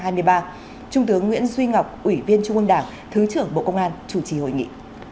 trung tướng nguyễn duy ngọc ủy viên trung ương đảng thứ trưởng bộ công an chủ trì hội nghị